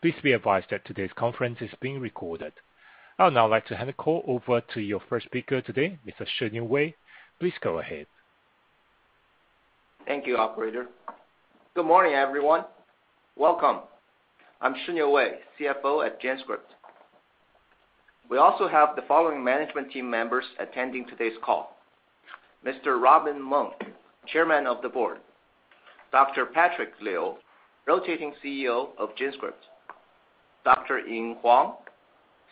Please be advised that today's conference is being recorded. I would now like to hand the call over to your first speaker today, Mr. Shiniu Wei. Please go ahead. Thank you, operator. Good morning, everyone. Welcome. I'm Shiniu Wei, CFO at GenScript. We also have the following management team members attending today's call. Mr. Robin Meng, Chairman of the Board, Dr. Patrick Liu, Rotating CEO of GenScript, Dr. Ying Huang,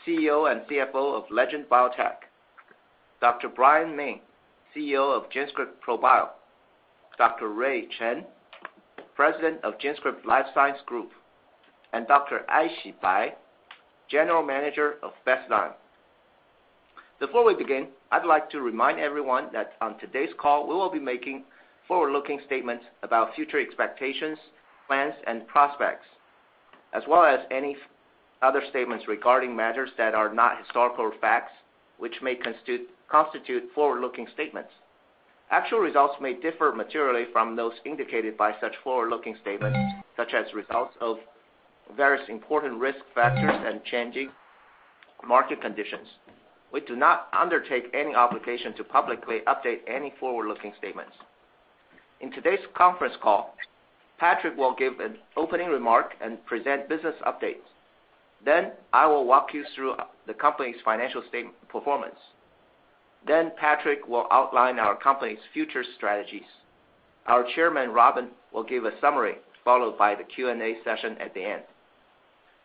CEO and CFO of Legend Biotech, Dr. Brian Min, CEO of GenScript ProBio, Dr. Ray Chen, President of GenScript Life Science Group, and Dr. Aixi Bai, General Manager of Bestzyme. Before we begin, I'd like to remind everyone that on today's call, we will be making forward-looking statements about future expectations, plans and prospects, as well as any other statements regarding matters that are not historical facts, which may constitute forward-looking statements. Actual results may differ materially from those indicated by such forward-looking statements, such as results of various important risk factors and changing market conditions. We do not undertake any obligation to publicly update any forward-looking statements. In today's conference call, Patrick will give an opening remark and present business updates. I will walk you through the company's financial statement performance. Patrick will outline our company's future strategies. Our Chairman, Robin, will give a summary, followed by the Q&A session at the end.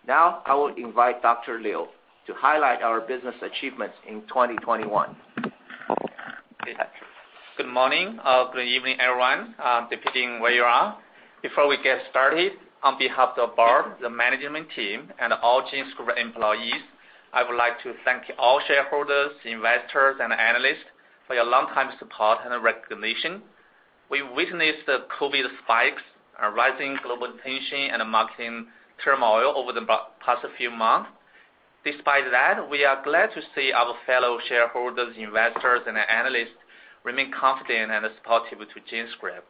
Now, I will invite Dr. Liu to highlight our business achievements in 2021. Good morning or good evening, everyone, depending where you are. Before we get started, on behalf of Robin, the management team, and all GenScript employees, I would like to thank all shareholders, investors, and analysts for your longtime support and recognition. We witnessed the COVID spikes, a rising global tension, and a market turmoil over the past few months. Despite that, we are glad to see our fellow shareholders, investors, and analysts remain confident and supportive to GenScript.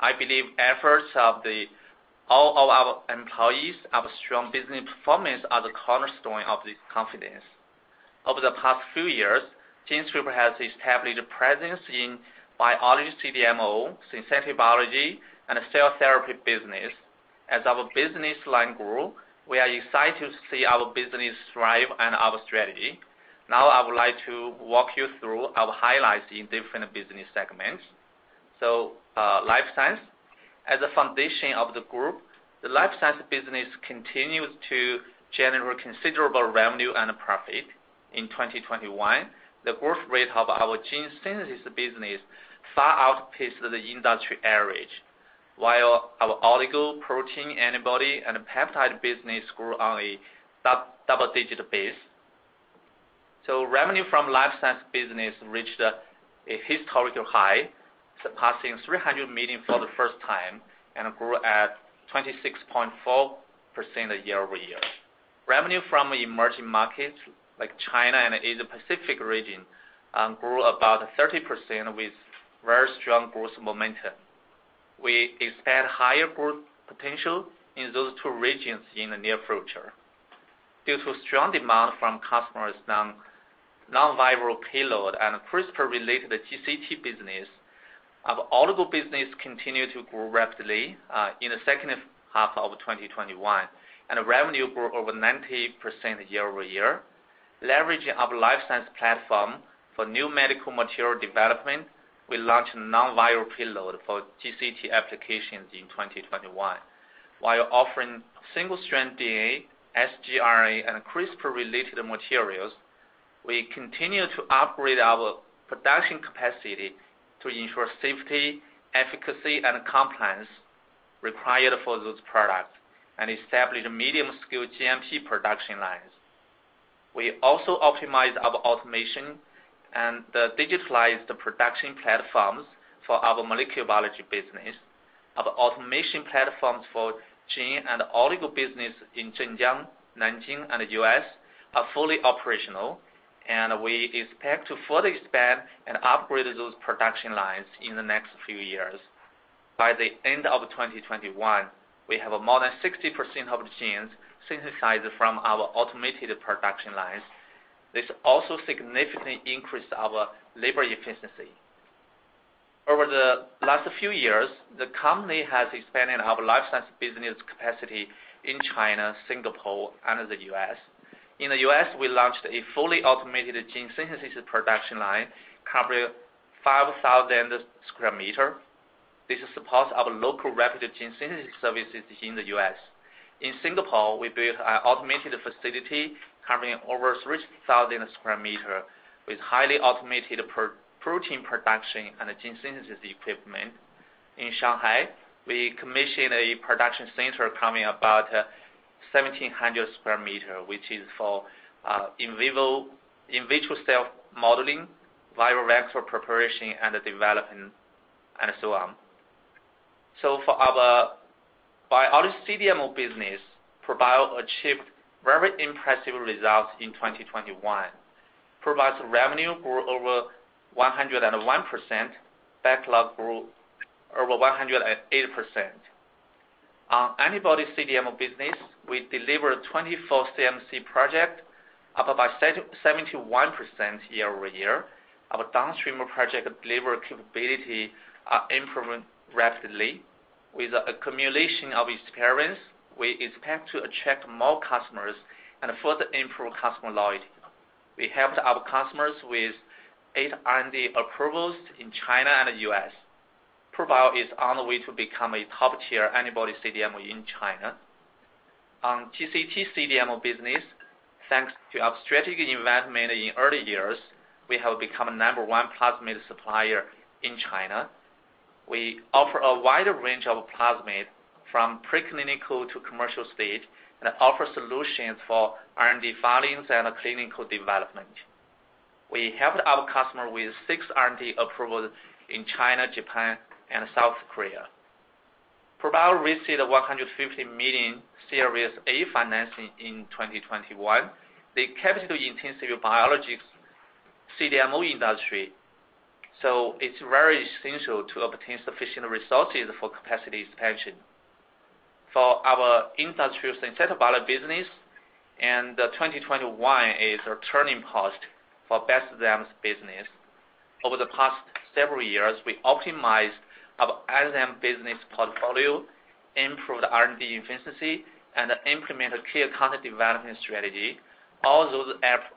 I believe efforts of all of our employees, our strong business performance are the cornerstone of this confidence. Over the past few years, GenScript has established a presence in biologics CDMO, synthetic biology, and cell therapy business. As our business line grow, we are excited to see our business thrive and our strategy. Now, I would like to walk you through our highlights in different business segments. Life science. As a foundation of the group, the Life Science business continues to generate considerable revenue and profit in 2021. The growth rate of our gene synthesis business far outpaced the industry average, while our oligo, protein, antibody, and peptide business grew on a double digit base. Revenue from Life Science business reached a historical high, surpassing $300 million for the first time, and grew at 26.4% year-over-year. Revenue from emerging markets like China and Asia Pacific region grew about 30% with very strong growth momentum. We expect higher growth potential in those two regions in the near future. Due to strong demand from customers' non-viral payload and CRISPR-related TCT business, our oligo business continued to grow rapidly in the second half of 2021, and revenue grew over 90% year-over-year. Leveraging our life science platform for new medical material development, we launched non-viral payload for GCT applications in 2021. While offering single-strand DNA, sgRNA, and CRISPR-related materials, we continued to upgrade our production capacity to ensure safety, efficacy, and compliance required for those products and established medium-scale GMP production lines. We also optimized our automation and digitalized the production platforms for our molecular biology business. Our automation platforms for gene and oligo business in Zhenjiang, Nanjing, and U.S. are fully operational, and we expect to further expand and upgrade those production lines in the next few years. By the end of 2021, we have more than 60% of genes synthesized from our automated production lines. This also significantly increased our labor efficiency. Over the last few years, the company has expanded our life science business capacity in China, Singapore, and the U.S. In the U.S., we launched a fully automated gene synthesis production line covering 5,000 sq m. This supports our local rapid gene synthesis services in the U.S. In Singapore, we built an automated facility covering over 3,000 sq m with highly automated pro-protein production and gene synthesis equipment. In Shanghai, we commissioned a production center covering about 1,700 sq m, which is for in vitro cell modeling, viral vector preparation and development, and so on. For our bio CDMO business, ProBio achieved very impressive results in 2021. ProBio revenue grew over 101%. Backlog grew over 108%. On antibody CDMO business, we delivered 24 CMC projects up by 71% year-over-year. Our downstream project delivery capability is improving rapidly. With accumulation of experience, we expect to attract more customers and further improve customer loyalty. We helped our customers with eight R&D approvals in China and the U.S. ProBio is on the way to become a top-tier antibody CDMO in China. On GCT CDMO business, thanks to our strategic investment in early years, we have become the number one plasmid supplier in China. We offer a wider range of plasmid from pre-clinical to commercial stage, and offer solutions for R&D filings and clinical development. We helped our customer with six R&D approval in China, Japan, and South Korea. ProBio received a $150 million Series A financing in 2021. The capital-intensive biologics CDMO industry, so it's very essential to obtain sufficient resources for capacity expansion. For our industrial synthetic biology business, 2021 is a turning point for Bestzyme's business. Over the past several years, we optimized our enzyme business portfolio, improved R&D efficiency, and implemented clear product development strategy. All those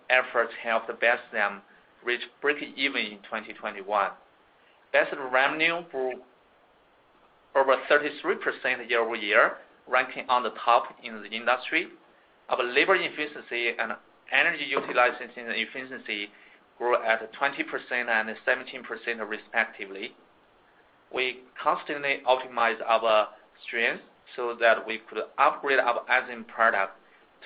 efforts helped Bestzyme reach breakeven in 2021. Bestzyme revenue grew over 33% year-over-year, ranking on the top in the industry. Our labor efficiency and energy utilization efficiency grew at 20% and 17% respectively. We constantly optimize our strength so that we could upgrade our enzyme product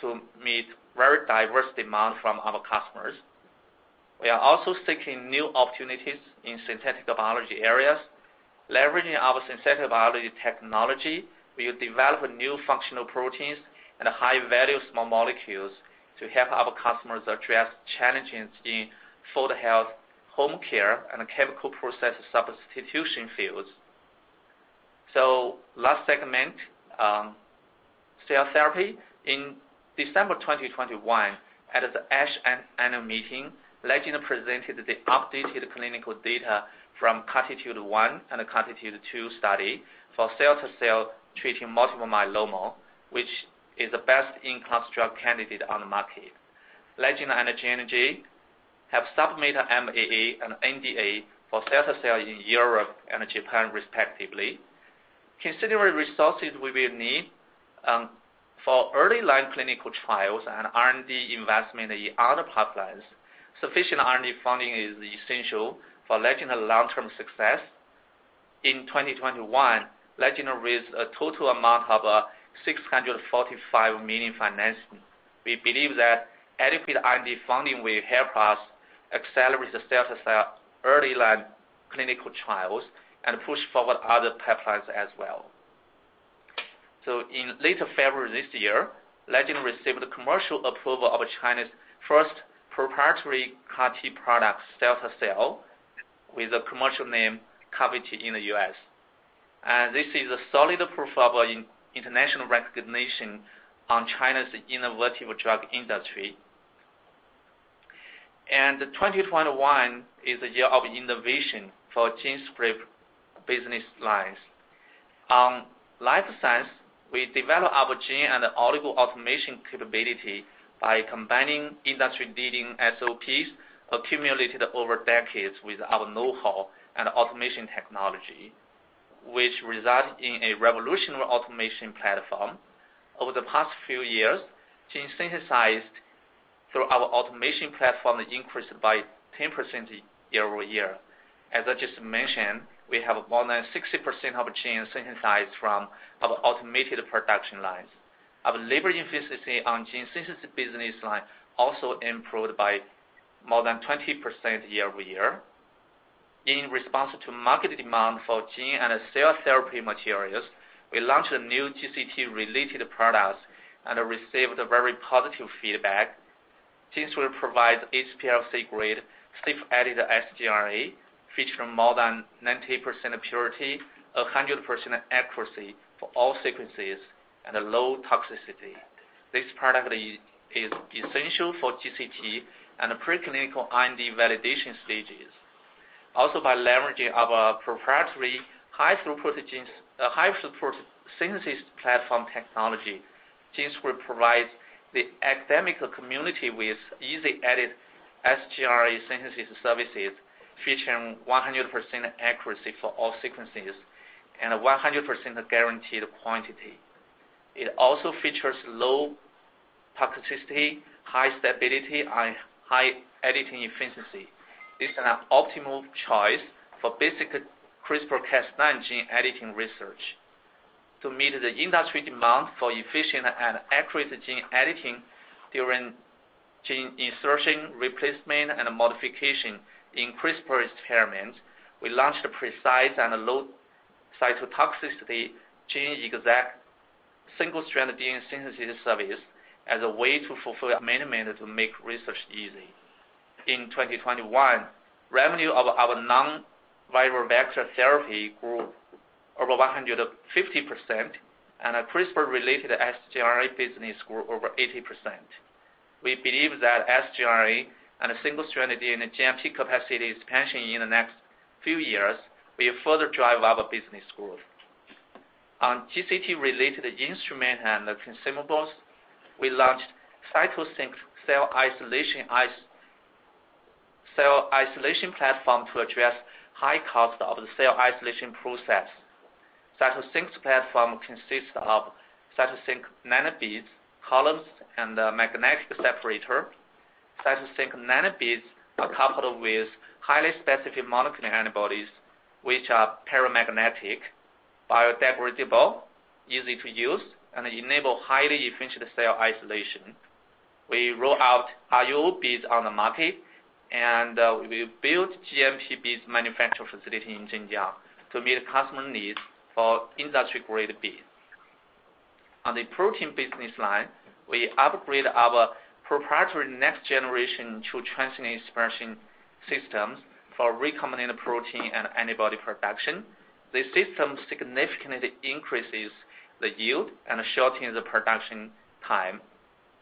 to meet very diverse demand from our customers. We are also seeking new opportunities in synthetic biology areas. Leveraging our synthetic biology technology, we will develop new functional proteins and high-value small molecules to help our customers address challenges in food, health, home care, and chemical process substitution fields. Last segment, cell therapy. In December 2021, at the ASH annual meeting, Legend presented the updated clinical data from CARTITUDE-1 and CARTITUDE-2 study for cilta-cel treating multiple myeloma, which is the best-in-class candidate on the market. Legend and Janssen have submitted MAA and NDA for cilta-cel in Europe and Japan respectively. Considering resources we will need for early line clinical trials and R&D investment in other pipelines, sufficient R&D funding is essential for Legend's long-term success. In 2021, Legend raised a total amount of $645 million in financing. We believe that adequate R&D funding will help us accelerate the cilta-cel early line clinical trials and push forward other pipelines as well. In late February this year, Legend received the commercial approval of China's first proprietary CAR-T product, cilta-cel, with the commercial name CARVYKTI in the US. This is a solid proof of international recognition of China's innovative drug industry. 2021 is the year of innovation for GenScript business lines. In life science, we develop our gene and oligo automation capability by combining industry-leading SOPs accumulated over decades with our know-how and automation technology, which result in a revolutionary automation platform. Over the past few years, gene synthesized through our automation platform increased by 10% year-over-year. As I just mentioned, we have more than 60% of gene synthesized from our automated production lines. Our labor efficiency on gene synthesis business line also improved by more than 20% year-over-year. In response to market demand for gene and cell therapy materials, we launched a new GCT-related products and received a very positive feedback. GenScript provides HPLC grade SafeEdit sgRNA, featuring more than 90% purity, 100% accuracy for all sequences, and a low toxicity. This product is essential for GCT and preclinical R&D validation stages. By leveraging our proprietary high-throughput synthesis platform technology, GenScript provides the academic community with EasyEdit sgRNA synthesis services featuring 100% accuracy for all sequences and a 100% guaranteed quantity. It also features low toxicity, high stability, and high editing efficiency. It's an optimal choice for basic CRISPR-Cas9 gene editing research. To meet the industry demand for efficient and accurate gene editing during gene insertion, replacement, and modification in CRISPR experiments, we launched a precise and low cytotoxicity GenExact single-stranded DNA synthesis service as a way to fulfill our mission to make research easy. In 2021, revenue of our non-viral vector therapy grew over 150%, and our CRISPR-related sgRNA business grew over 80%. We believe that sgRNA and single-stranded DNA GMP capacity expansion in the next few years will further drive our business growth. On GCT-related instrument and consumables, we launched CytoSinct's cell isolation platform to address high cost of the cell isolation process. CytoSinct's platform consists of CytoSinct Nanobeads, columns, and a magnetic separator. CytoSinct Nanobeads are coupled with highly specific monoclonal antibodies, which are paramagnetic, biodegradable, easy to use, and enable highly efficient cell isolation. We roll out IO beads on the market, and we build GMP beads manufacturing facility in Zhenjiang to meet customer needs for industry-grade beads. On the protein business line, we upgrade our proprietary next-generation TrueTrans expression systems for recombinant protein and antibody production. This system significantly increases the yield and shortens the production time.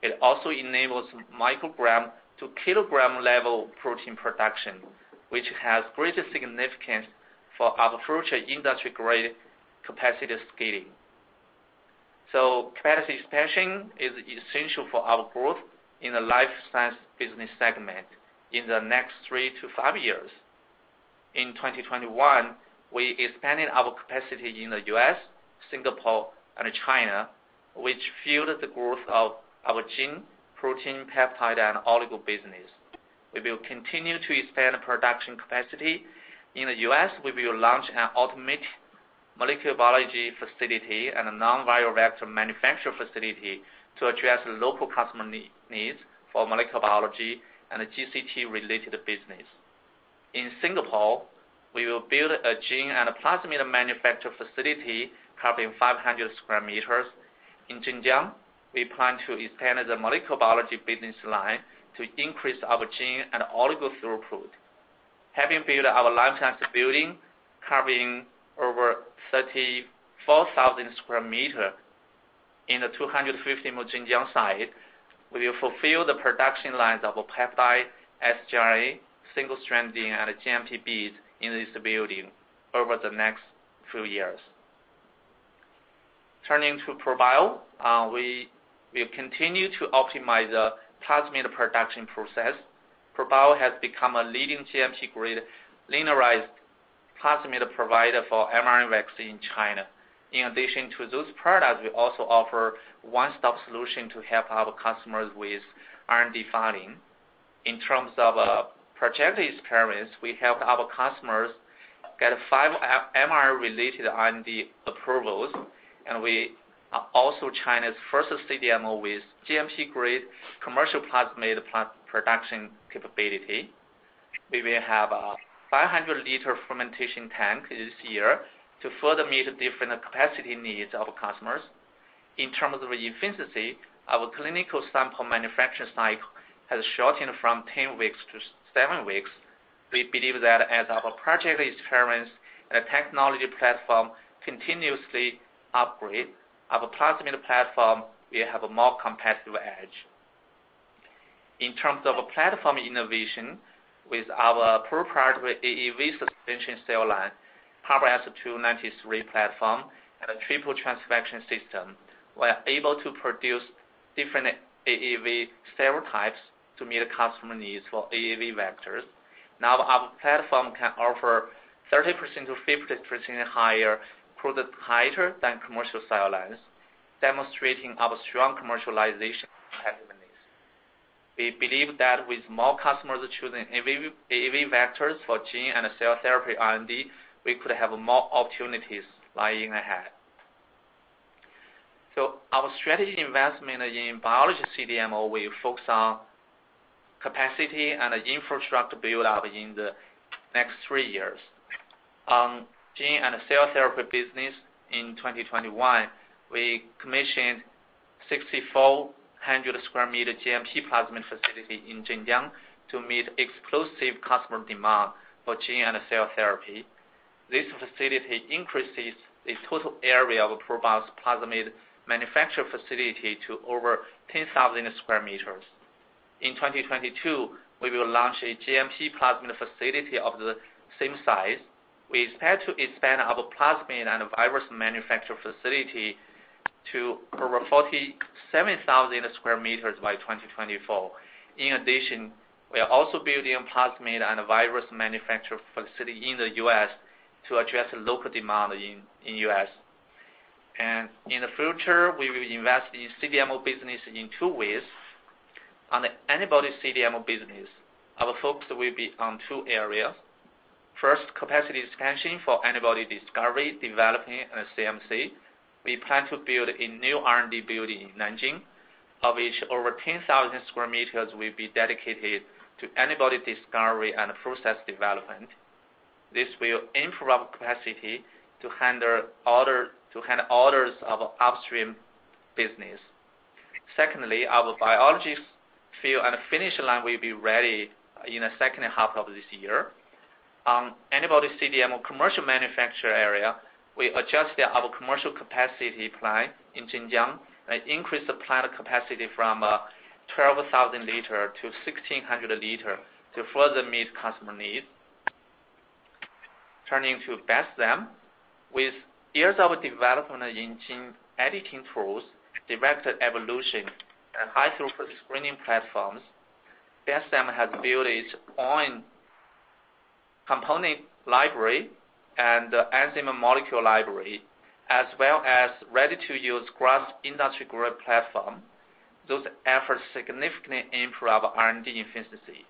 It also enables microgram to kilogram-level protein production, which has greater significance for our future industry-grade capacity scaling. Capacity expansion is essential for our growth in the life science business segment in the next 3-5 years. In 2021, we expanded our capacity in the U.S., Singapore, and China, which fueled the growth of our gene, protein, peptide, and oligo business. We will continue to expand the production capacity. In the U.S., we will launch an automatic molecular biology facility and a non-viral vector manufacture facility to address local customer needs for molecular biology and GCT-related business. In Singapore, we will build a gene and a plasmid manufacture facility covering 500 sq m. In Zhenjiang, we plan to expand the molecular biology business line to increase our gene and oligo throughput. Having built our life science building covering over 34,000 sq m in the $250 million Zhenjiang site, we will fulfill the production lines of a peptide, sgRNA, single-strand DNA, and GMP beads in this building over the next few years. Turning to ProBio, we continue to optimize the plasmid production process. ProBio has become a leading GMP-grade linearized plasmid provider for mRNA vaccine in China. In addition to those products, we also offer one-stop solution to help our customers with R&D filing. In terms of project experience, we helped our customers get five mRNA-related R&D approvals, and we are also China's first CDMO with GMP-grade commercial plasmid production capability. We will have a 500-liter fermentation tank this year to further meet different capacity needs of customers. In terms of efficiency, our clinical sample manufacture cycle has shortened from 10 weeks to 7 weeks. We believe that as our project experience and technology platform continuously upgrade our plasmid platform, we have a more competitive edge. In terms of a platform innovation with our proprietary AAV suspension cell line, HEK 293 platform, and a triple transfection system, we are able to produce different AAV several types to meet the customer needs for AAV vectors. Now our platform can offer 30%-50% higher product titer than commercial cell lines, demonstrating our strong commercialization capabilities. We believe that with more customers choosing AAV vectors for gene and cell therapy R&D, we could have more opportunities lying ahead. Our strategic investment in biologics CDMO will focus on capacity and infrastructure build-up in the next 3 years. In our gene and cell therapy business in 2021, we commissioned 6,400 sq m GMP plasmid facility in Zhenjiang to meet explosive customer demand for gene and cell therapy. This facility increases the total area of ProBio's plasmid manufacture facility to over 10,000 sq m. In 2022, we will launch a GMP plasmid facility of the same size. We expect to expand our plasmid and virus manufacture facility to over 47,000 sq m by 2024. In addition, we are also building a plasmid and virus manufacture facility in the U.S. to address local demand in the U.S. In the future, we will invest in CDMO business in two ways. On the antibody CDMO business, our focus will be on two areas. First, capacity expansion for antibody discovery, development, and CMC. We plan to build a new R&D building in Nanjing, of which over 10,000 sq m will be dedicated to antibody discovery and process development. This will improve our capacity to handle orders of upstream business. Secondly, our biologics field and finishing line will be ready in the second half of this year. Antibody CDMO, commercial manufacturing area, we adjusted our commercial capacity plan in Zhenjiang and increased the plant capacity from 12,000 liters to 16,000 liters to further meet customer needs. Turning to Bestzyme. With years of development in gene editing tools, directed evolution, and high-throughput screening platforms, Bestzyme has built its own component library and enzyme molecule library, as well as ready-to-use cross-industry growth platform. Those efforts significantly improve our R&D efficiency.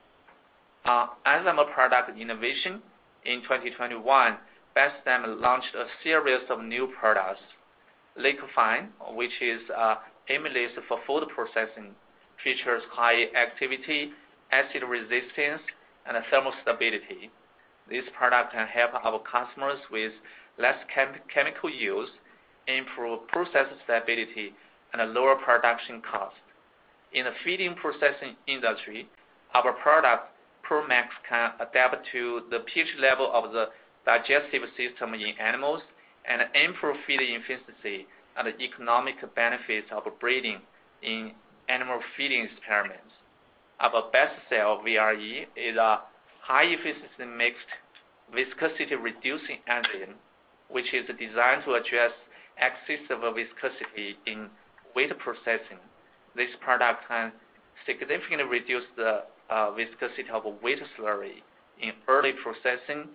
Enzyme product innovation. In 2021, Bestzyme launched a series of new products. LiqFine, which is amylase for food processing, features high activity, acid resistance, and thermal stability. This product can help our customers with less chemical use, improve process stability, and a lower production cost. In the feed processing industry, our product, ProMax, can adapt to the pH level of the digestive system in animals and improve feeding efficiency and the economic benefits of breeding in animal feeding experiments. Our bestseller, VRE, is a high-efficiency mixed viscosity-reducing enzyme, which is designed to address excessive viscosity in wheat processing. This product can significantly reduce the viscosity of a wheat slurry in early processing,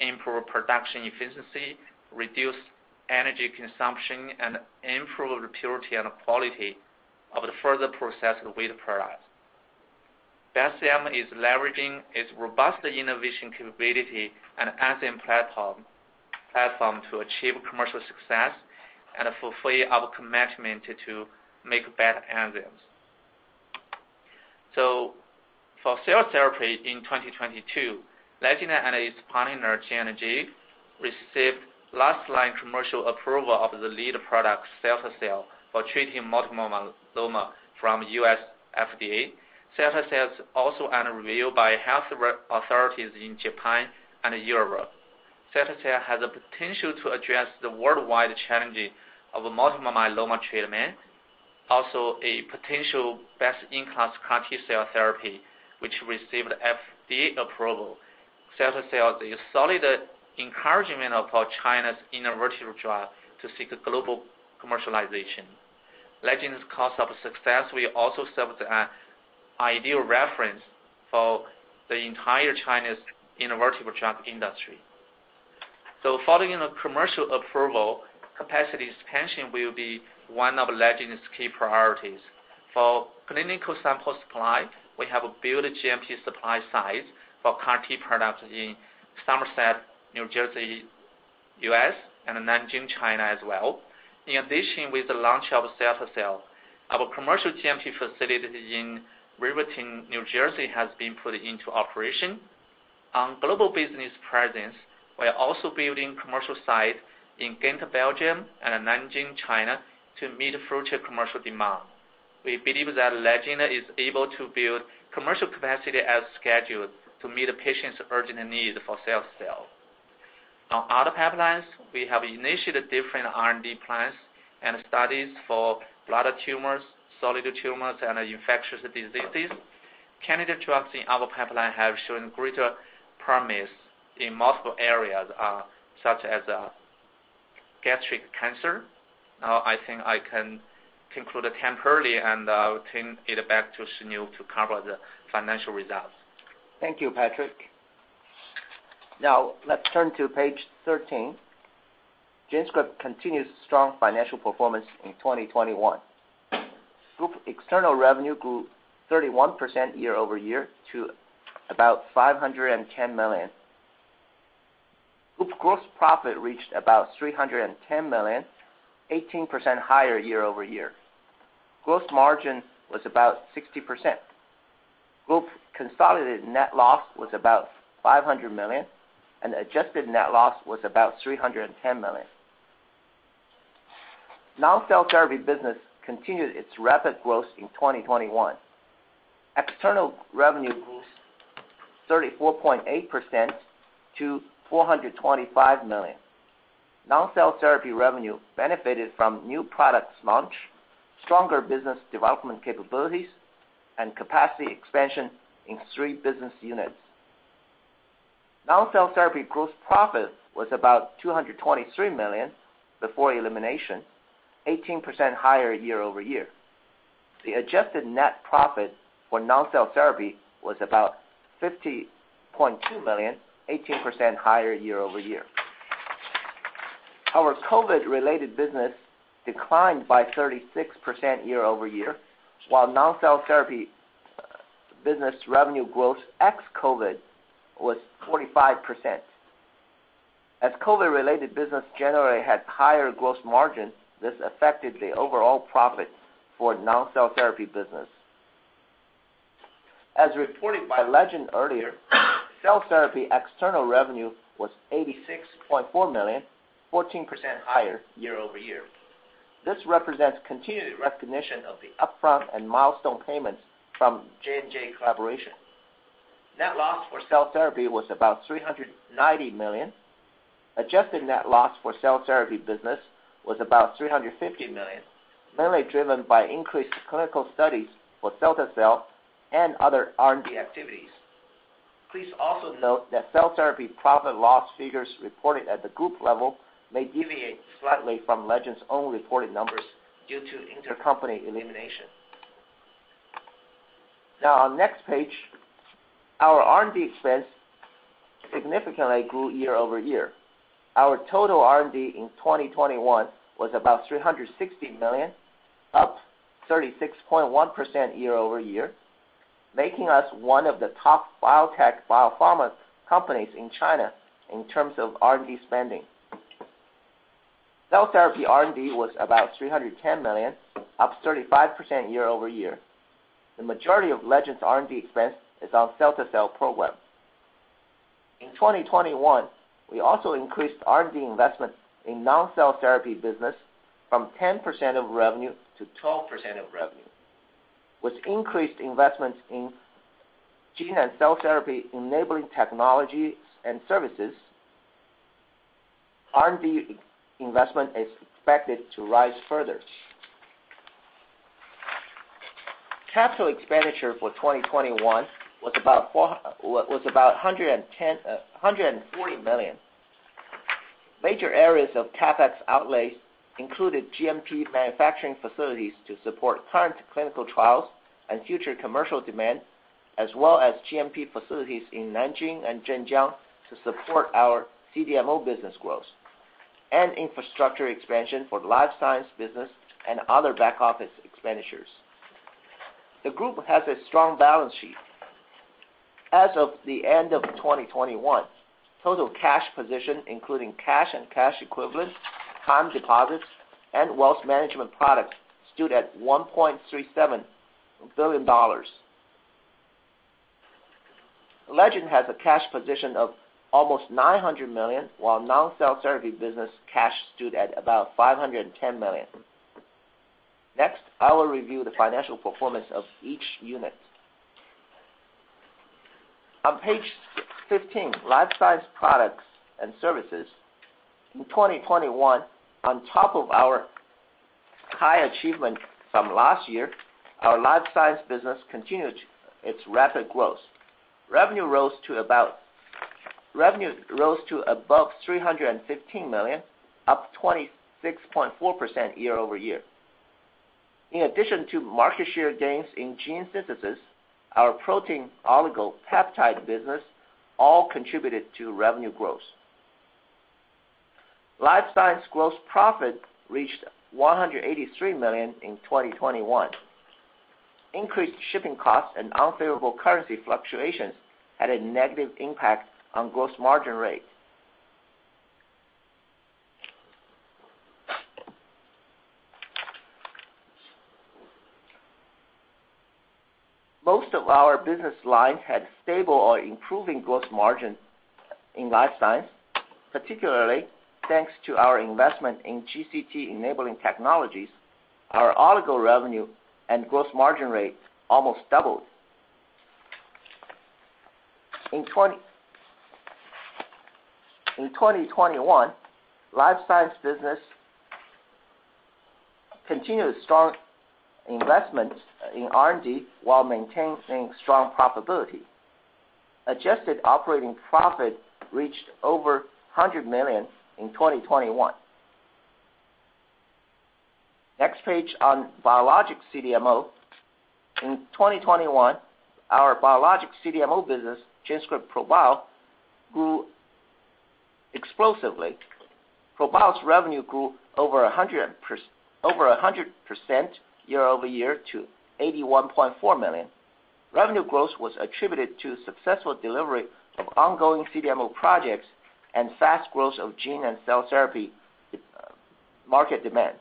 improve production efficiency, reduce energy consumption, and improve the purity and quality of the further processed wheat product. Bestzyme is leveraging its robust innovation capability and enzyme platform to achieve commercial success and fulfill our commitment to make better enzymes. For cell therapy in 2022, Legend and its partner, Janssen, received last-line commercial approval of the lead product, cilta-cel, for treating multiple myeloma from U.S. FDA. Cilta-cel is also under review by health regulatory authorities in Japan and Europe. Cilta-cel has the potential to address the worldwide challenges of multiple myeloma treatment. Cilta-cel is a potential best-in-class CAR-T cell therapy, which received FDA approval. Cilta-cel is solid encouragement for Chinese innovative trial to seek global commercialization. Legend's source of success will also serve as ideal reference for the entire Chinese innovative drug industry. Following the commercial approval, capacity expansion will be one of Legend's key priorities. For clinical sample supply, we have built a GMP supply site for CAR-T products in Somerset, New Jersey, U.S., and in Nanjing, China, as well. In addition, with the launch of CARVYKTI, our commercial GMP facility in Riverton, New Jersey, has been put into operation. On global business presence, we are also building commercial site in Ghent, Belgium and Nanjing, China to meet future commercial demand. We believe that Legend is able to build commercial capacity as scheduled to meet the patient's urgent need for CARVYKTI. On other pipelines, we have initiated different R&D plans and studies for blood tumors, solid tumors, and infectious diseases. Candidate drugs in our pipeline have shown greater promise in multiple areas, such as gastric cancer. Now I think I can conclude temporarily, and I will turn it back to Shiniu to cover the financial results. Thank you, Patrick. Now let's turn to page 13. GenScript continues strong financial performance in 2021. Group external revenue grew 31% year-over-year to about $510 million. Group gross profit reached about $310 million, 18% higher year-over-year. Gross margin was about 60%. Group consolidated net loss was about $500 million, and adjusted net loss was about $310 million. Non-cell therapy business continued its rapid growth in 2021. External revenue grew 34.8% to $425 million. Non-cell therapy revenue benefited from new products launch, stronger business development capabilities, and capacity expansion in three business units. Non-cell therapy gross profit was about $223 million before elimination, 18% higher year-over-year. The adjusted net profit for non-cell therapy was about $50.2 million, 18% higher year-over-year. Our COVID-related business declined by 36% year-over-year, while non-cell therapy business revenue growth ex-COVID was 45%. As COVID-related business generally had higher gross margins, this affected the overall profit for non-cell therapy business. As reported by Legend earlier, cell therapy external revenue was $86.4 million, 14% higher year-over-year. This represents continued recognition of the upfront and milestone payments from J&J collaboration. Net loss for cell therapy was about $390 million. Adjusted net loss for cell therapy business was about $350 million, mainly driven by increased clinical studies for CAR-T cell and other R&D activities. Please also note that cell therapy profit loss figures reported at the group level may deviate slightly from Legend's own reported numbers due to intercompany elimination. Our R&D expense significantly grew year-over-year. Our total R&D in 2021 was about $360 million, up 36.1% year-over-year, making us one of the top biotech biopharma companies in China in terms of R&D spending. Cell therapy R&D was about $310 million, up 35% year-over-year. The majority of Legend's R&D expense is on cell therapy program. In 2021, we also increased R&D investment in non-cell therapy business from 10% of revenue to 12% of revenue. With increased investments in gene and cell therapy enabling technologies and services, R&D investment is expected to rise further. Capital expenditure for 2021 was about $140 million. Major areas of CapEx outlays included GMP manufacturing facilities to support current clinical trials and future commercial demand, as well as GMP facilities in Nanjing and Zhenjiang to support our CDMO business growth and infrastructure expansion for the life science business and other back-office expenditures. The group has a strong balance sheet. As of the end of 2021, total cash position, including cash and cash equivalents, time deposits, and wealth management products, stood at $1.37 billion. Legend has a cash position of almost $900 million, while non-cell therapy business cash stood at about $510 million. Next, I will review the financial performance of each unit. On page 15, life science products and services. In 2021, on top of our high achievement from last year, our Life Science business continued its rapid growth. Revenue rose to above $315 million, up 26.4% year-over-year. In addition to market share gains in gene synthesis, our protein oligopeptide business also contributed to revenue growth. Life Science gross profit reached $183 million in 2021. Increased shipping costs and unfavorable currency fluctuations had a negative impact on gross margin rate. Most of our business lines had stable or improving gross margin in Life Science, particularly thanks to our investment in GCT-enabling technologies. Our oligo revenue and gross margin rate almost doubled. In 2021, Life Science business continued strong investments in R&D while maintaining strong profitability. Adjusted operating profit reached over $100 million in 2021. Next page on biologic CDMO. In 2021, our biologic CDMO business, GenScript ProBio, grew explosively. ProBio's revenue grew over 100% year-over-year to $81.4 million. Revenue growth was attributed to successful delivery of ongoing CDMO projects and fast growth of gene and cell therapy market demand.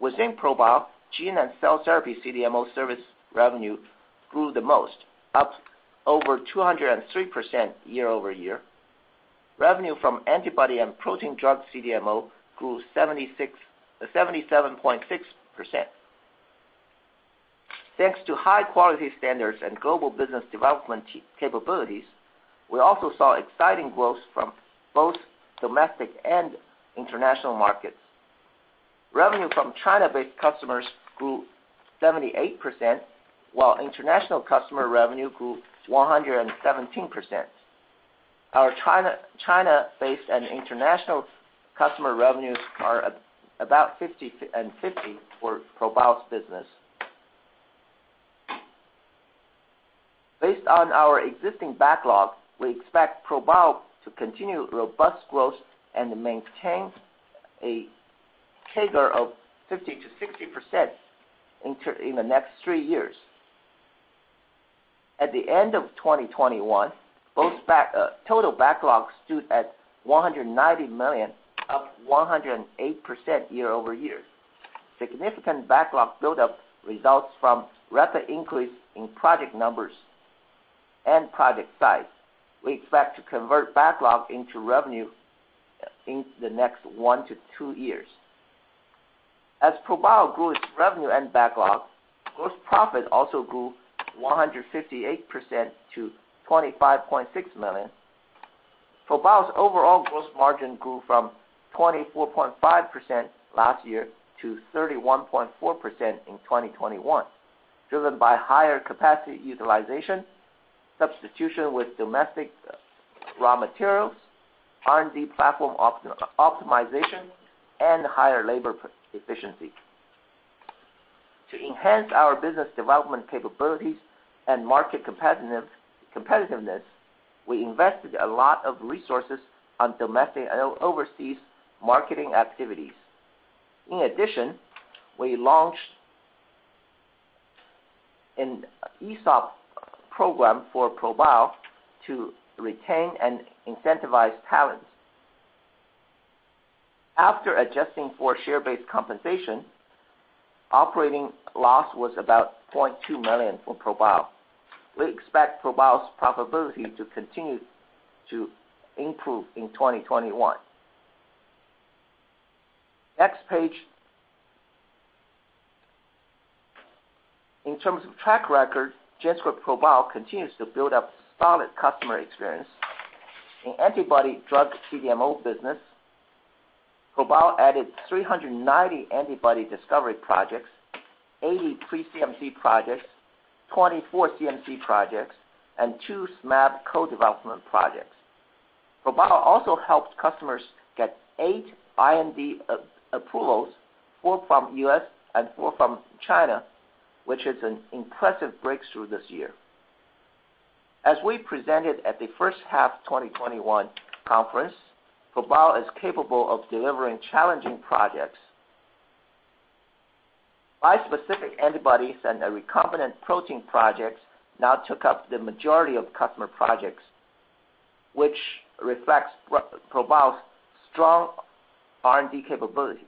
Within ProBio, gene and cell therapy CDMO service revenue grew the most, up over 203% year-over-year. Revenue from antibody and protein drug CDMO grew 77.6%. Thanks to high quality standards and global business development capabilities, we also saw exciting growth from both domestic and international markets. Revenue from China-based customers grew 78%, while international customer revenue grew 117%. Our China-based and international customer revenues are about 50/50 for ProBio's business. Based on our existing backlog, we expect ProBio to continue robust growth and maintain a CAGR of 50%-60% in the next three years. At the end of 2021, total backlogs stood at $190 million, up 108% year over year. Significant backlog buildup results from rapid increase in project numbers and project size. We expect to convert backlog into revenue in the next 1-2 years. As ProBio grew its revenue and backlog, gross profit also grew 158% to $25.6 million. ProBio's overall gross margin grew from 24.5% last year to 31.4% in 2021, driven by higher capacity utilization, substitution with domestic raw materials, R&D platform optimization, and higher labor efficiency. To enhance our business development capabilities and market competitiveness, we invested a lot of resources on domestic and overseas marketing activities. In addition, we launched an ESOP program for ProBio to retain and incentivize talents. After adjusting for share-based compensation, operating loss was about $0.2 million for ProBio. We expect ProBio's profitability to continue to improve in 2021. Next page. In terms of track record, GenScript ProBio continues to build up solid customer experience. In antibody drug CDMO business, ProBio added 390 antibody discovery projects, 80 pre-CMC projects, 24 CMC projects, and 2 bsMAb co-development projects. ProBio also helped customers get 8 IND approvals, 4 from U.S. and 4 from China, which is an impressive breakthrough this year. As we presented at the first half of 2021 conference, ProBio is capable of delivering challenging projects. Bispecific antibodies and recombinant protein projects now took up the majority of customer projects, which reflects ProBio's strong R&D capabilities.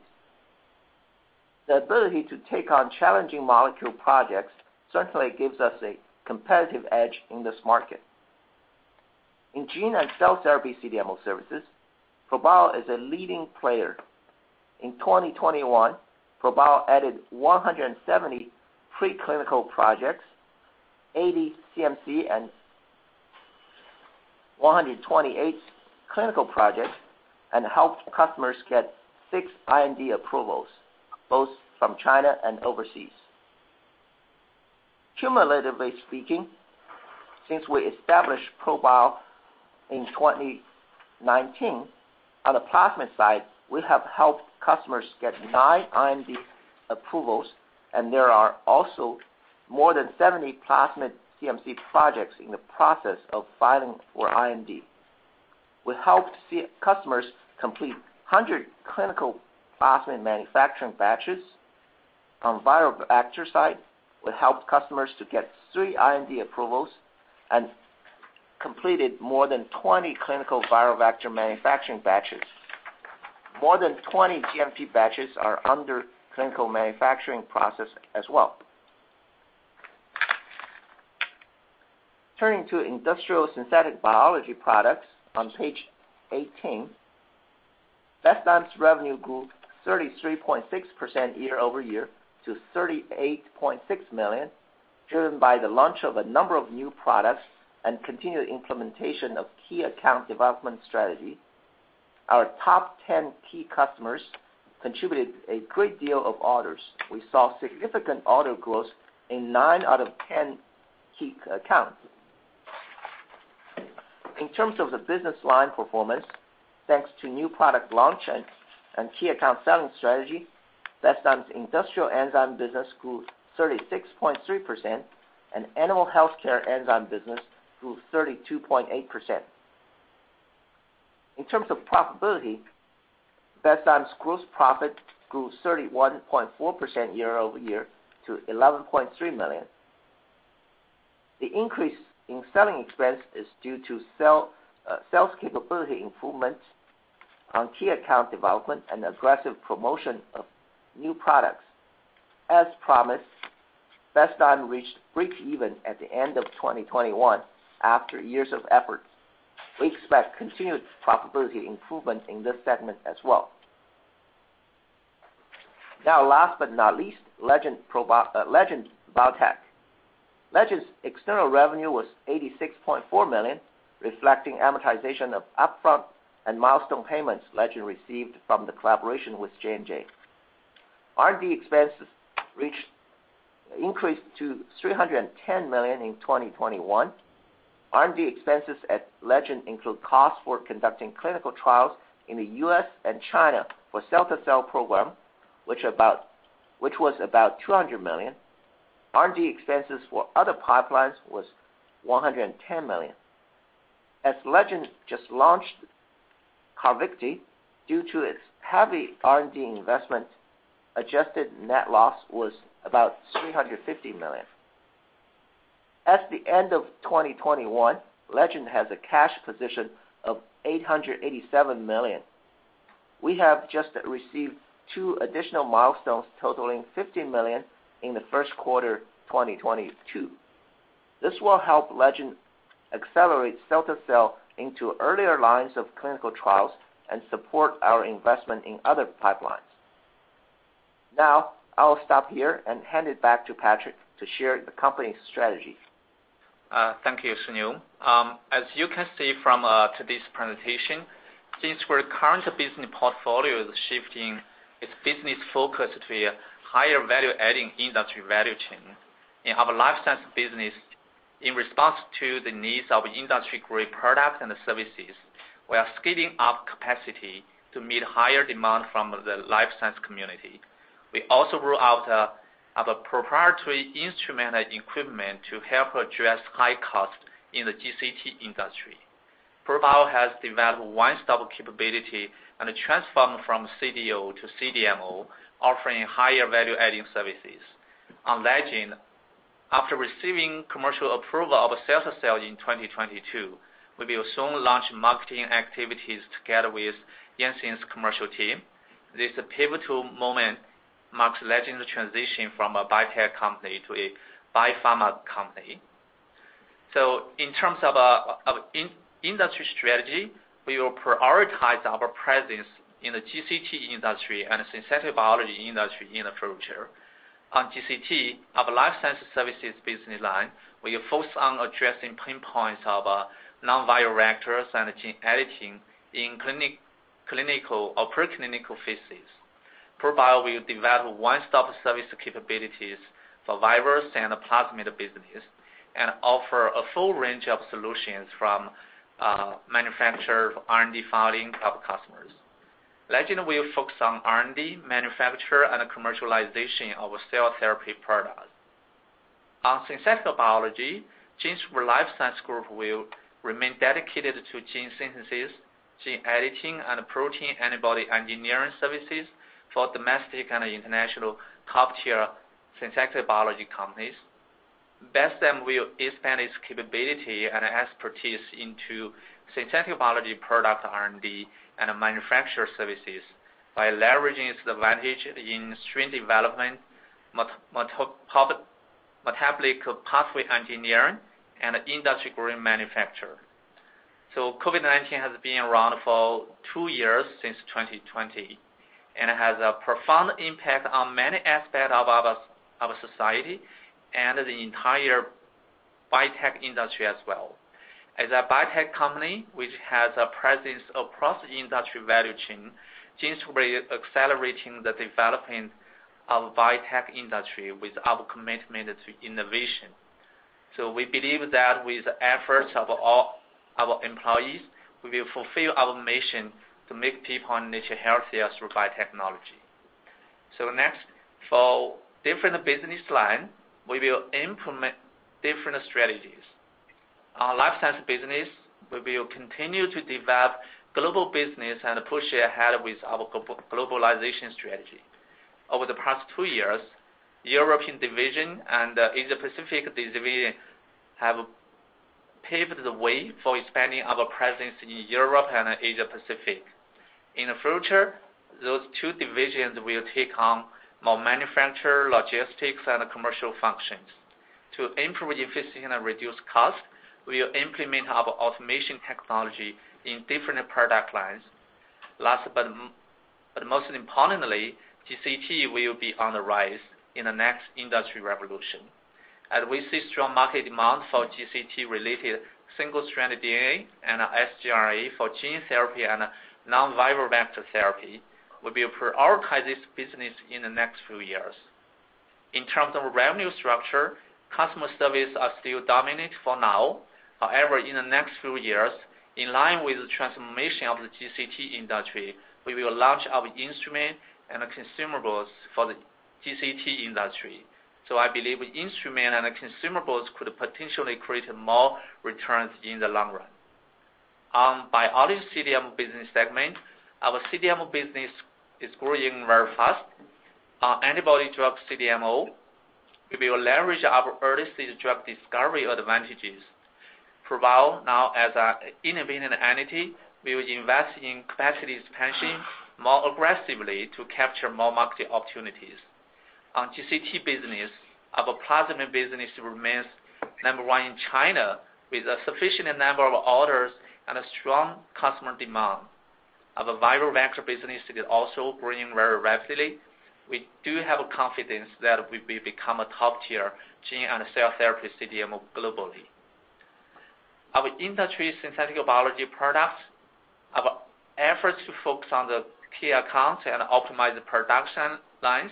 The ability to take on challenging molecule projects certainly gives us a competitive edge in this market. In gene and cell therapy CDMO services, ProBio is a leading player. In 2021, ProBio added 170 preclinical projects, 80 CMC, and 128 clinical projects, and helped customers get six IND approvals, both from China and overseas. Cumulatively speaking, since we established ProBio in 2019, on the plasmid side, we have helped customers get nine IND approvals, and there are also more than 70 plasmid CMC projects in the process of filing for IND. We helped customers complete 100 clinical plasmid manufacturing batches. On viral vector side, we helped customers to get three IND approvals and completed more than 20 clinical viral vector manufacturing batches. More than 20 GMP batches are under clinical manufacturing process as well. Turning to industrial synthetic biology products on page 18. Bestzyme's revenue grew 33.6% year-over-year to $38.6 million, driven by the launch of a number of new products and continued implementation of key account development strategy. Our top 10 key customers contributed a great deal of orders. We saw significant order growth in nine out of 10 key accounts. In terms of the business line performance, thanks to new product launch and key account selling strategy, Bestzyme's industrial enzyme business grew 36.3%, and animal healthcare enzyme business grew 32.8%. In terms of profitability, Bestzyme's gross profit grew 31.4% year-over-year to $11.3 million. The increase in selling expense is due to sales capability improvements on key account development and aggressive promotion of new products. As promised, Bestzyme reached breakeven at the end of 2021 after years of efforts. We expect continued profitability improvement in this segment as well. Now last but not least, Legend Biotech. Legend's external revenue was $86.4 million, reflecting amortization of upfront and milestone payments Legend received from the collaboration with J&J. R&D expenses increased to $310 million in 2021. R&D expenses at Legend include costs for conducting clinical trials in the U.S. and China for CAR-T cell program, which was about $200 million. R&D expenses for other pipelines was $110 million. Legend just launched CARVYKTI, due to its heavy R&D investment, adjusted net loss was about $350 million. At the end of 2021, Legend has a cash position of $887 million. We have just received two additional milestones totaling $50 million in the first quarter of 2022. This will help Legend accelerate CAR-T cell into earlier lines of clinical trials and support our investment in other pipelines. Now, I'll stop here and hand it back to Dr. Patrick Liu to share the company's strategies. Thank you, Shiniu Wei. As you can see from today's presentation, since our current business portfolio is shifting its business focus to a higher value-adding industry value chain. In our life science business, in response to the needs of industry-grade products and services, we are scaling up capacity to meet higher demand from the life science community. We also roll out other proprietary instrument and equipment to help address high cost in the GCT industry. ProBio has developed one-stop capability and transformed from CDO to CDMO, offering higher value-adding services. On Legend, after receiving commercial approval of cilta-cel in 2022, we will soon launch marketing activities together with Janssen's commercial team. This pivotal moment marks Legend's transition from a biotech company to a biopharma company. In terms of in-industry strategy, we will prioritize our presence in the GCT industry and synthetic biology industry in the future. On GCT, our life sciences services business line, we are focused on addressing pain points of non-viral vectors and gene editing in clinical or preclinical phases. ProBio will develop one-stop service capabilities for virus and plasmid business, and offer a full range of solutions from manufacture R&D filing of customers. Legend will focus on R&D, manufacture, and commercialization of cell therapy products. On synthetic biology, GenScript Life Science Group will remain dedicated to gene synthesis, gene editing, and protein antibody engineering services for domestic and international top-tier synthetic biology companies. Bestzyme will expand its capability and expertise into synthetic biology product R&D and manufacture services by leveraging its advantage in strain development, metabolic pathway engineering, and industry-grade manufacture. COVID-19 has been around for 2 years since 2020, and it has a profound impact on many aspects of our society and the entire biotech industry as well. As a biotech company which has a presence across the industry value chain, since we're accelerating the development of biotech industry with our commitment to innovation. We believe that with the efforts of all our employees, we will fulfill our mission to make people and nature healthier through biotechnology. Next, for different business line, we will implement different strategies. Our life science business, we will continue to develop global business and push ahead with our globalization strategy. Over the past 2 years, European division and Asia Pacific division have paved the way for expanding our presence in Europe and Asia Pacific. In the future, those two divisions will take on more manufacture, logistics, and commercial functions. To improve efficiency and reduce cost, we will implement our automation technology in different product lines. Last but most importantly, GCT will be on the rise in the next industry revolution. As we see strong market demand for GCT-related single-stranded DNA and sgRNA for gene therapy and non-viral vector therapy, we will prioritize this business in the next few years. In terms of revenue structure, customer service are still dominant for now. However, in the next few years, in line with the transformation of the GCT industry, we will launch our instrument and consumables for the GCT industry. I believe instrument and consumables could potentially create more returns in the long run. Beyond this CDMO business segment, our CDMO business is growing very fast. Our antibody drug CDMO, we will leverage our early-stage drug discovery advantages. Proceeding now as an innovative entity, we will invest in capacity expansion more aggressively to capture more market opportunities. On GCT business, our plasmid business remains number one in China with a sufficient number of orders and a strong customer demand. Our viral vector business is also growing very rapidly. We do have confidence that we will become a top-tier gene and cell therapy CDMO globally. Our industrial synthetic biology products, our efforts to focus on the key accounts and optimize the production lines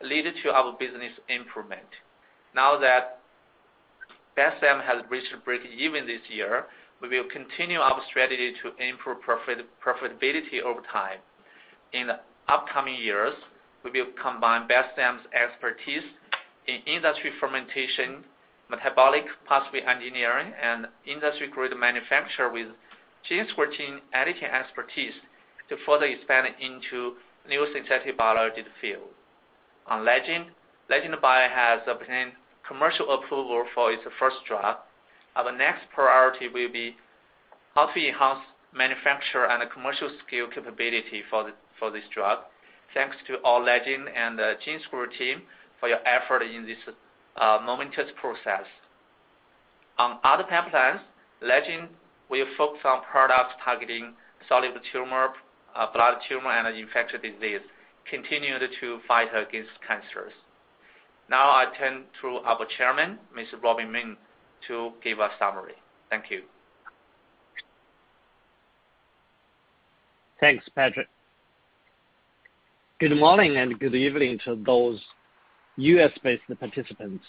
led to our business improvement. Now that Bestzyme has reached breakeven this year, we will continue our strategy to improve profitability over time. In the upcoming years, we will combine Bestzyme's expertise in industrial fermentation, metabolic pathway engineering, and industry-grade manufacture with GenScript editing expertise to further expand into new synthetic biology field. On Legend Biotech has obtained commercial approval for its first drug. Our next priority will be how to enhance manufacture and commercial scale capability for this drug. Thanks to all Legend and the GenScript team for your effort in this momentous process. On other pipelines, Legend will focus on products targeting solid tumor, blood tumor, and infectious disease, continue to fight against cancers. Now I turn to our Chairman, Mr. Robin Meng, to give a summary. Thank you. Thanks, Patrick. Good morning, and good evening to those U.S.-based participants.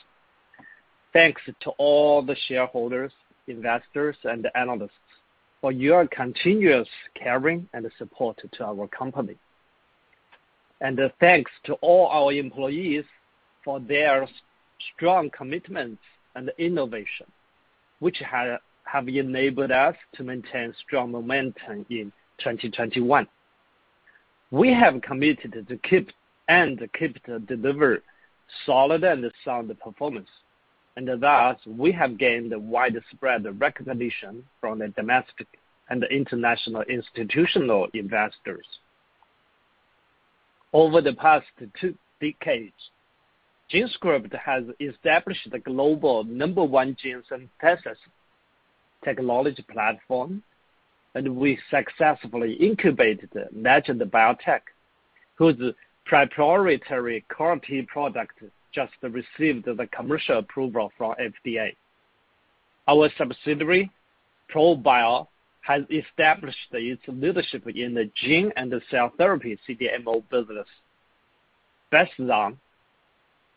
Thanks to all the shareholders, investors, and analysts for your continuous caring and support to our company. Thanks to all our employees for their strong commitment and innovation, which have enabled us to maintain strong momentum in 2021. We have committed to keep deliver solid and sound performance, and thus, we have gained widespread recognition from the domestic and international institutional investors. Over the past two decades, GenScript has established the global number one gene synthesis technology platform, and we successfully incubated Legend Biotech, whose proprietary current product just received the commercial approval from FDA. Our subsidiary, ProBio, has established its leadership in the gene and cell therapy CDMO business. Bestzyme,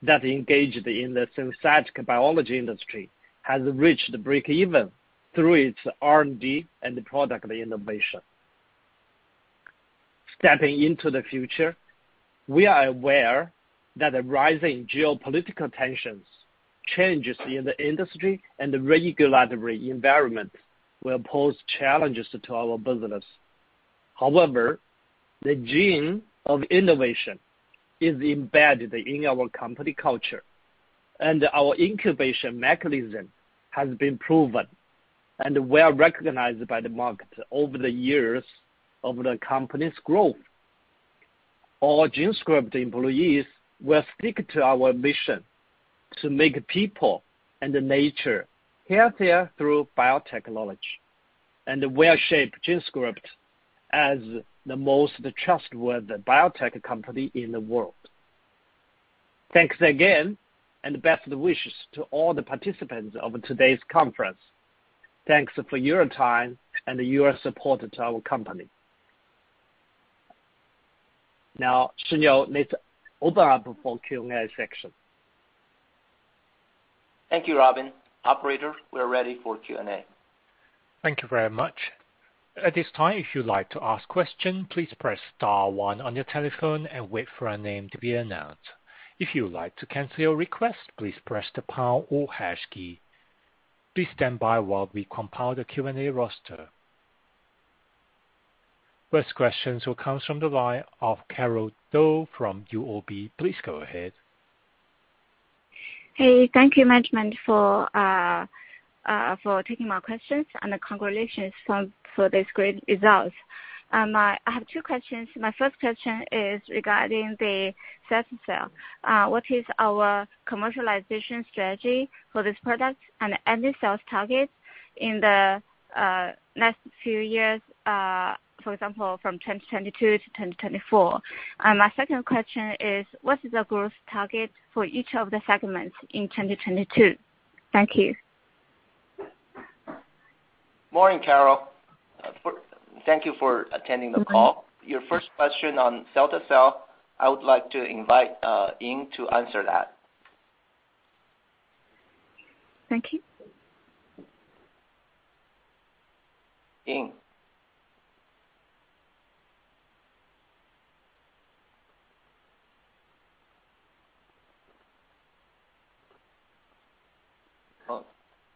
that's engaged in the synthetic biology industry, has reached breakeven through its R&D and product innovation. Stepping into the future, we are aware that the rising geopolitical tensions, changes in the industry, and regulatory environment will pose challenges to our business. However, the gene of innovation is embedded in our company culture, and our incubation mechanism has been proven and well-recognized by the market over the years of the company's growth. All GenScript employees will stick to our mission to make people and nature healthier through biotechnology, and we'll shape GenScript as the most trustworthy biotech company in the world. Thanks again, and best wishes to all the participants of today's conference. Thanks for your time and your support to our company. Now, Shiniu Wei, let's open up for Q&A section. Thank you, Robin. Operator, we are ready for Q&A. Thank you very much. At this time, if you'd like to ask question, please press star one on your telephone and wait for a name to be announced. If you would like to cancel your request, please press the pound or hash key. Please stand by while we compile the Q&A roster. First question comes from the line of Carol Dou from UOB Kay Hian. Please go ahead. Hey, thank you, management, for taking my questions, and congratulations for these great results. I have two questions. My first question is regarding the cilta-cel. What is our commercialization strategy for this product and annual sales targets in the next few years, for example, from 2022 to 2024? My second question is, what is the growth target for each of the segments in 2022? Thank you. Morning, Carol. Thank you for attending the call. Okay. Your first question on cilta-cel, I would like to invite Ying to answer that. Thank you. Ying?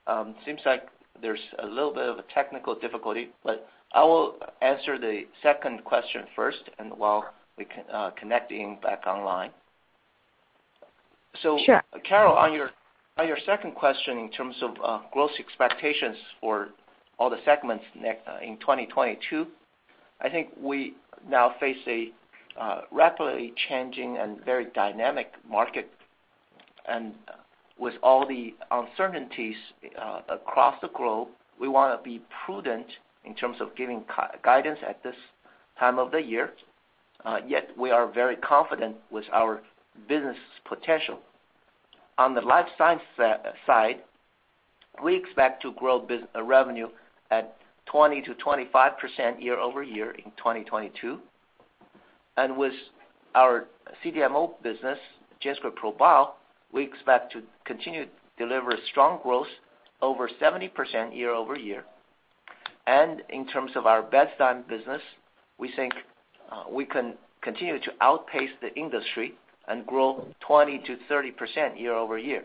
Oh. Seems like there's a little bit of a technical difficulty, but I will answer the second question first and while we connect Ying back online. Sure. Carol, on your second question in terms of growth expectations for all the segments in 2022, I think we now face a rapidly changing and very dynamic market. With all the uncertainties across the globe, we wanna be prudent in terms of giving guidance at this time of the year. Yet we are very confident with our business potential. On the life science side, we expect to grow revenue at 20%-25% year-over-year in 2022. With our CDMO business, GenScript ProBio, we expect to continue to deliver strong growth over 70% year-over-year. In terms of our Bestzyme business, we think we can continue to outpace the industry and grow 20%-30% year over year.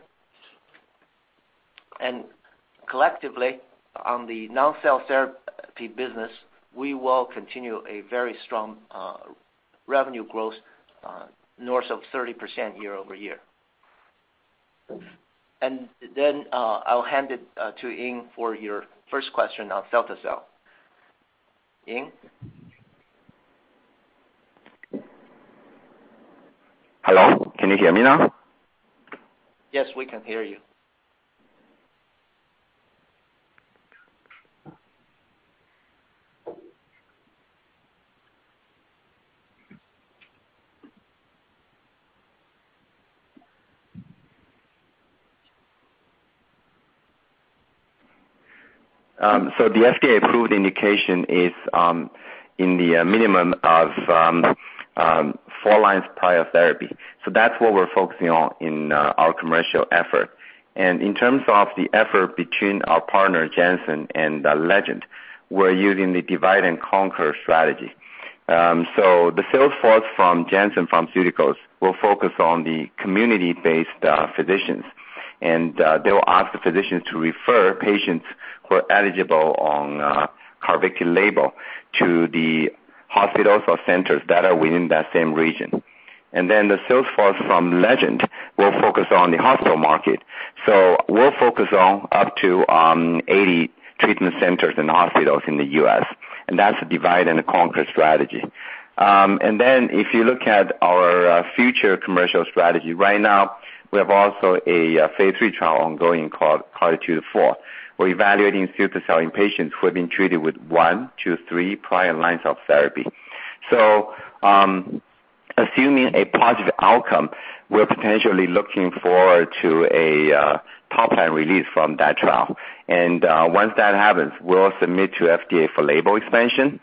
Collectively, on the non-cell therapy business, we will continue a very strong revenue growth north of 30% year over year. Then, I'll hand it to Ying for your first question on cell therapy. Ying? Hello, can you hear me now? Yes, we can hear you. The FDA approved indication is in the minimum of 4 lines prior therapy. That's what we're focusing on in our commercial effort. In terms of the effort between our partner Janssen and Legend, we're using the divide and conquer strategy. The sales force from Janssen Pharmaceuticals will focus on the community-based physicians. They'll ask the physicians to refer patients who are eligible on CARVYKTI label to the hospitals or centers that are within that same region. The sales force from Legend will focus on the hospital market. We'll focus on up to 80 treatment centers and hospitals in the U.S., and that's a divide and conquer strategy. If you look at our future commercial strategy, right now we have also a phase III trial ongoing called CARTITUDE-4. We're evaluating relapsed patients who have been treated with 1-3 prior lines of therapy. Assuming a positive outcome, we're potentially looking forward to a top-line release from that trial. Once that happens, we'll submit to FDA for label expansion.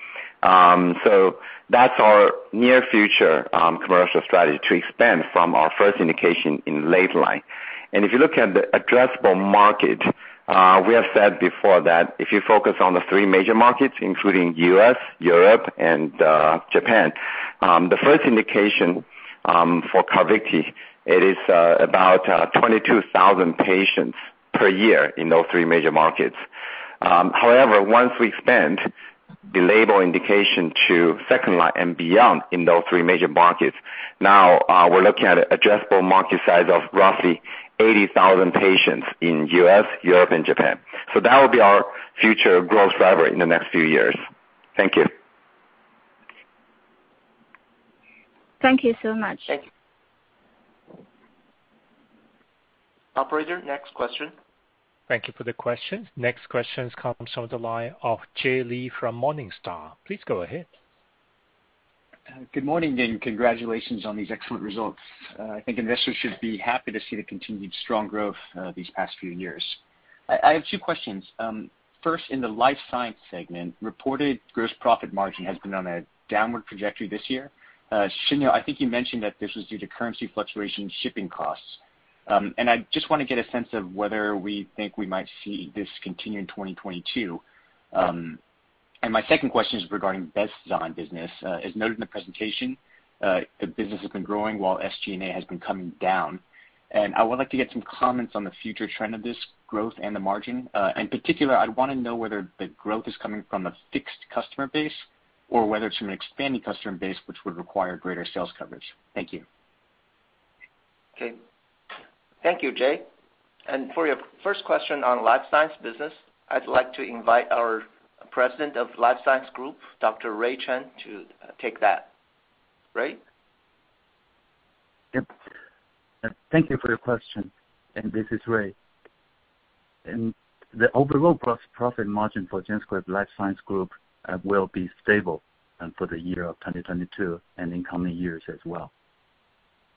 That's our near future commercial strategy to expand from our first indication in late line. If you look at the addressable market, we have said before that if you focus on the three major markets, including U.S., Europe, and Japan, the first indication for CARVYKTI, it is about 22,000 patients per year in those three major markets. However, once we expand the label indication to second line and beyond in those three major markets, now, we're looking at addressable market size of roughly 80,000 patients in U.S., Europe, and Japan. That will be our future growth driver in the next few years. Thank you. Thank you so much. Thank you. Operator, next question. Thank you for the question. Next question comes from the line of Jay Lee from Morningstar. Please go ahead. Good morning, and congratulations on these excellent results. I think investors should be happy to see the continued strong growth these past few years. I have two questions. First, in the Life Science segment, reported gross profit margin has been on a downward trajectory this year. Shiniu Wei, I think you mentioned that this was due to currency fluctuation, shipping costs. I just want to get a sense of whether we think we might see this continue in 2022. My second question is regarding Bestzyme business. As noted in the presentation, the business has been growing while SG&A has been coming down. I would like to get some comments on the future trend of this growth and the margin. In particular, I'd wanna know whether the growth is coming from a fixed customer base or whether it's from an expanding customer base, which would require greater sales coverage. Thank you. Okay. Thank you, Jay. For your first question on Life Science business, I'd like to invite our President of Life Science Group, Dr. Ray Chen, to take that. Ray? Yep. Thank you for your question. This is Dr. Ray Chen. The overall gross profit margin for GenScript Life Science Group will be stable for the year of 2022 and in coming years as well.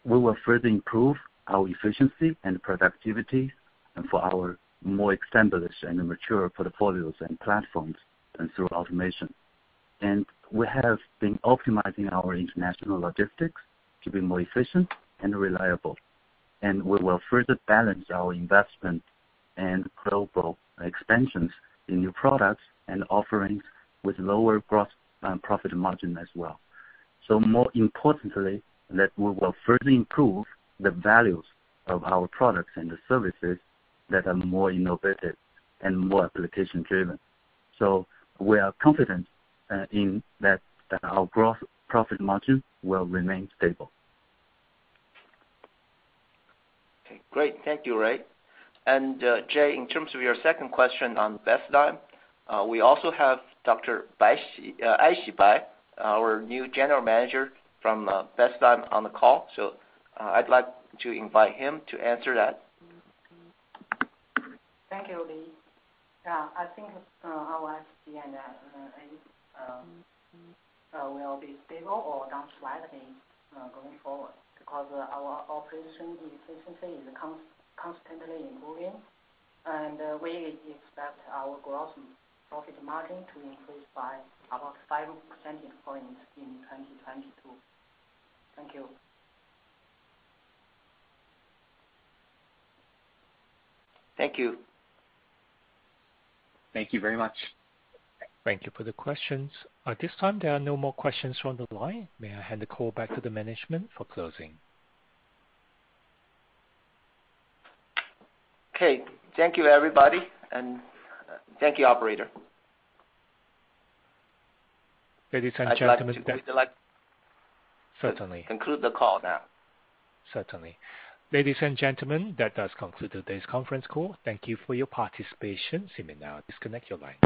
We will further improve our efficiency and productivity and for our more established and mature portfolios and platforms and through automation. We have been optimizing our international logistics to be more efficient and reliable. We will further balance our investment and global expansions in new products and offerings with lower gross profit margin as well. More importantly, that we will further improve the values of our products and the services that are more innovative and more application driven. We are confident in that that our gross profit margin will remain stable. Okay, great. Thank you, Ray. Jay, in terms of your second question on Bestzyme, we also have Dr. Aixi Bai, our new general manager from Bestzyme on the call. I'd like to invite him to answer that. Thank you, Lee. Yeah, I think our SG&A will be stable or down slightly going forward because our operation efficiency is constantly improving, and we expect our gross profit margin to increase by about 5 percentage points in 2022. Thank you. Thank you. Thank you very much. Thank you for the questions. At this time, there are no more questions from the line. May I hand the call back to the management for closing. Okay. Thank you, everybody, and thank you, operator. Ladies and gentlemen. I'd like to- Certainly. Conclude the call now. Certainly. Ladies and gentlemen, that does conclude today's conference call. Thank you for your participation. You may now disconnect your lines.